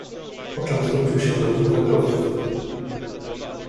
"Poczem zwrócił się do dwóch wędrowców."